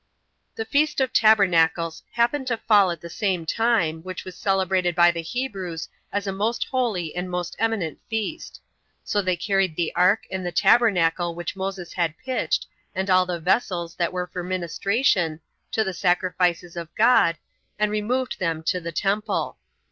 The feast of tabernacles happened to fall at the same time, which was celebrated by the Hebrews as a most holy and most eminent feast. So they carried the ark and the tabernacle which Moses had pitched, and all the vessels that were for ministration, to the sacrifices of God, and removed them to the temple.